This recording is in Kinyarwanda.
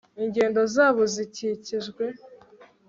ingendo zabo zikikijwe